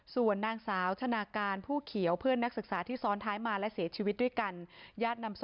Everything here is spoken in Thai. ส่วนนางสาวชนะการผู้เขียวเพื่อนนักศึกษาที่ซ้อนท้ายมา